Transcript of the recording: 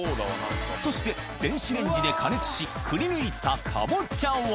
そして、電子レンジで加熱し、くりぬいたカボチャを。